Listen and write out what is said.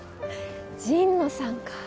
神野さんか。